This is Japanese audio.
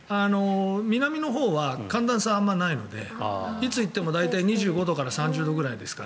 南のほうは寒暖差があまりないのでいつ行っても大体２５度から３０度くらいですから。